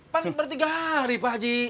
pan bertiga hari pak ji